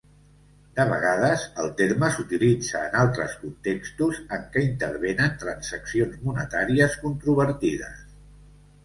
De vegades, el terme s'utilitza en altres contextos en què intervenen transaccions monetàries controvertides.